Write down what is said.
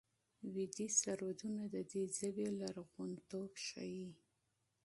ویدي سرودونه د دې ژبې لرغونتوب ښيي.